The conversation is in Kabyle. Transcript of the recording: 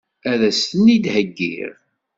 Ad as-ten-id-heggiɣ?